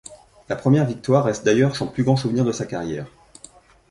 La première victoire reste d'ailleurs son plus grand souvenir de sa carrière.